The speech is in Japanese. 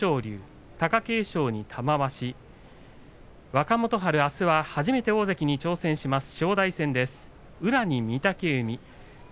若元春、あすは初めて大関に挑戦します。